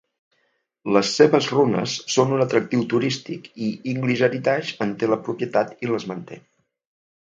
Les seves runes són un atractiu turístic i English Heritage en té la propietat i les manté.